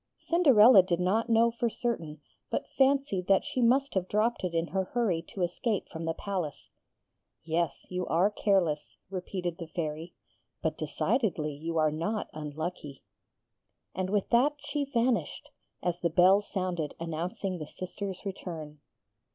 Cinderella did not know for certain, but fancied that she must have dropped it in her hurry to escape from the palace. 'Yes, you are careless,' repeated the Fairy; 'but decidedly you are not unlucky.' And with that she vanished, as the bell sounded announcing the sisters'return.